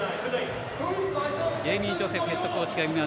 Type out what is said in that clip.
ジェイミー・ジョセフヘッドコーチ